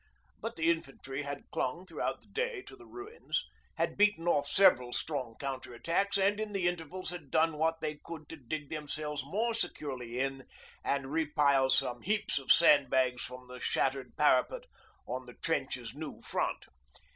But the infantry had clung throughout the day to the ruins, had beaten off several strong counter attacks, and in the intervals had done what they could to dig themselves more securely in and re pile some heaps of sandbags from the shattered parapet on the trench's new front.